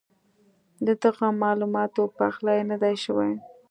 ددغه معلوماتو پخلی نۀ دی شوی